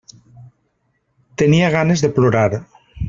Tenia ganes de plorar.